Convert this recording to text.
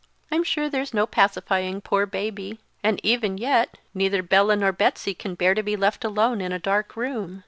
I'm sure there's no pacifying poor Baby, and even yet, neither Bella nor Betsey can bear to be left alone in a dark room.